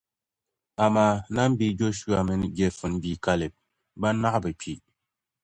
Amaa Nan bia Jɔshua mini Jɛfune bia Kalɛb bɛn naɣi bi kpi.